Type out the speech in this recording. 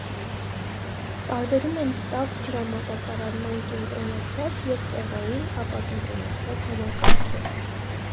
Տարբերում են տաք ջրամատակարարման կենտրոնացված և տեղային (ապակենտրոնացված) համակարգեր։